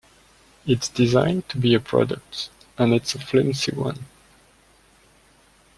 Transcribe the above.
It's designed to be a product, and it's a flimsy one.